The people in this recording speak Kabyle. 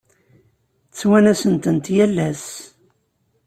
Ttwanasen-tent yal ass.